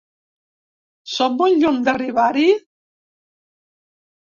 Som molt lluny d’arribar-hi?